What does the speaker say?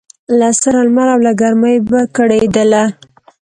له سره لمر او له ګرمۍ به کړېدله